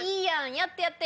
やってやって！